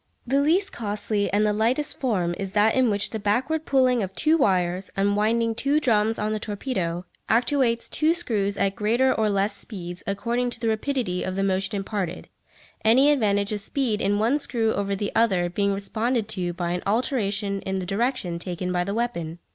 The least costly and the lightest form is that in which the backward pulling of two wires, unwinding two drums on the torpedo, actuates two screws at greater or less speeds according to the rapidity of the motion imparted, any advantage of speed in one screw over the other being responded to by an alteration in the direction taken by the weapon.